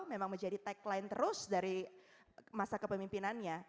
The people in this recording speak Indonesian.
memang menjadi tagline terus dari masa kepemimpinannya